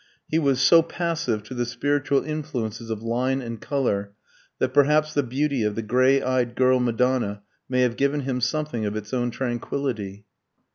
He was so passive to the spiritual influences of line and colour, that perhaps the beauty of the grey eyed girl Madonna may have given him something of its own tranquillity.